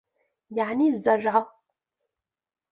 يَعْنِي الزَّرْعَ